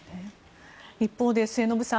一方で末延さん